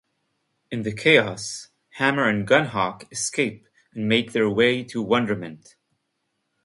In the chaos, Hammer and Gunhawk escape and make their way to Wonderment.